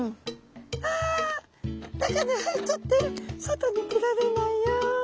「うわ中に入っちゃって外に出られないよ」。